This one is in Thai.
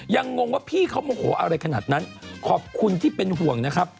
งงว่าพี่เขาโมโหอะไรขนาดนั้นขอบคุณที่เป็นห่วงนะครับ